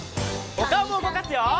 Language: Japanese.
おかおもうごかすよ！